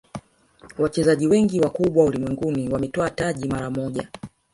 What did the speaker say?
wachezaji wengi wakubwa ulimwenguni wametwaa taji mara moja